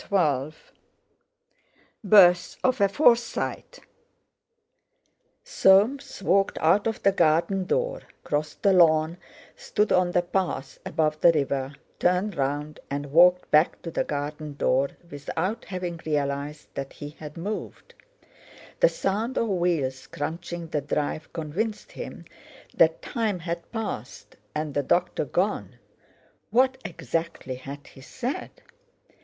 CHAPTER XII BIRTH OF A FORSYTE Soames walked out of the garden door, crossed the lawn, stood on the path above the river, turned round and walked back to the garden door, without having realised that he had moved. The sound of wheels crunching the drive convinced him that time had passed, and the doctor gone. What, exactly, had he said?